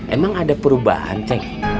emang ada perubahan ceng